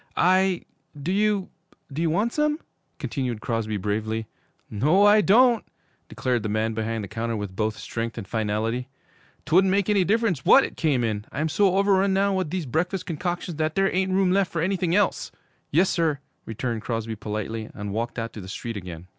'I do you do you want some?' continued Crosby bravely. 'No, I don't,' declared the man behind the counter with both strength and finality. ''Twouldn't make any difference what it came in! I'm so overrun now with these breakfast concoctions that there ain't room left for anything else!' 'Yes, sir,' returned Crosby politely, and walked out to the street again.